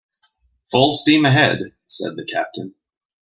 "Full steam ahead," said the captain.